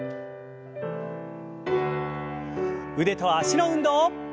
腕と脚の運動。